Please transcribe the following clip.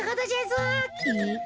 えっ？